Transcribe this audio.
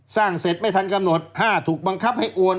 สร้างเสร็จไม่ทันกำหนด๕ถูกบังคับให้โอน